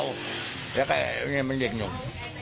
แล้วก็มันเด็กหนุ่ม